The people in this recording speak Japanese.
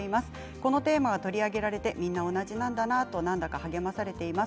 このテーマが取り上げられてみんな同じなんだなと何だか励まされています。